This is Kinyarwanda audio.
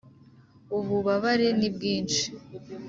ububabare ni bwinshi